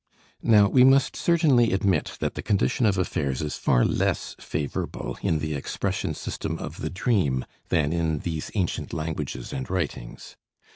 Now we must certainly admit that the condition of affairs is far less favorable in the expression system of the dream than in these ancient languages and writings.